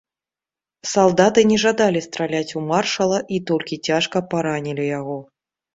Салдаты не жадалі страляць у маршала і толькі цяжка паранілі яго.